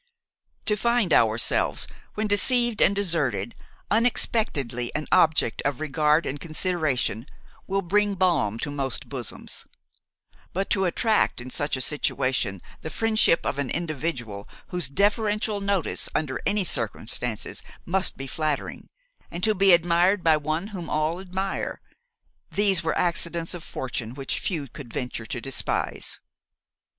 To find ourselves, when deceived and deserted, unexpectedly an object of regard and consideration, will bring balm to most bosoms; but to attract in such a situation the friendship of an individual whose deferential notice under any circumstances must be flattering, and to be admired by one whom all admire, these are accidents of fortune which few could venture to despise.